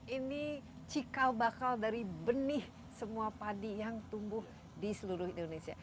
ini cikal bakal dari benih semua padi yang tumbuh di seluruh indonesia